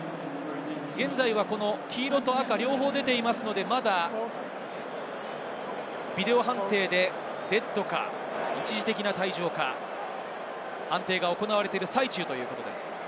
現在は黄色と赤が両方出ていますので、まだビデオ判定でレッドか一時的な退場か判定が行われている最中ということになります。